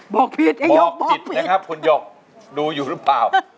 บอกผิดเองบอกผิดนะครับคุณหยกดูอยู่หรือเปล่า